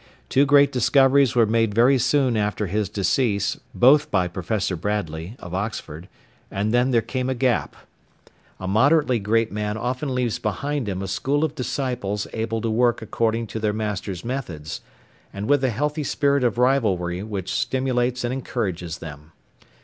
Two great discoveries were made very soon after his decease, both by Professor Bradley, of Oxford, and then there came a gap. A moderately great man often leaves behind him a school of disciples able to work according to their master's methods, and with a healthy spirit of rivalry which stimulates and encourages them.